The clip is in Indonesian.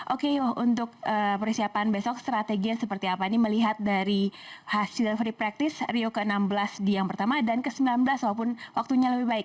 oke untuk persiapan besok strateginya seperti apa ini melihat dari hasil free practice rio ke enam belas di yang pertama dan ke sembilan belas walaupun waktunya lebih baik